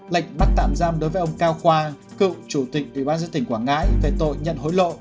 lệnh bắt tạm giam đối với ông cao khoa cựu chủ tịch ủy ban dự tỉnh quảng ngãi về tội nhận hối lộ